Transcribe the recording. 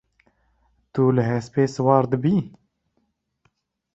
Tu li hespê siwar dibî?